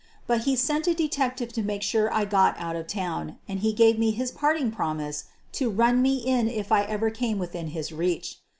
But he sent a detective to make sure I got out of town, and he gave me his parting promise to run me in if I ever came within his reach.